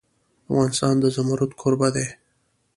افغانستان د زمرد کوربه دی.